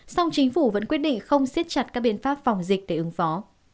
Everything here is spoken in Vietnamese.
sau chính phủ vẫn quyết định không xiết chặt các biện pháp phòng dịch để ứng phó